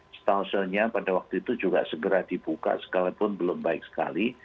stasiunnya pada waktu itu juga segera dibuka sekalipun belum baik sekali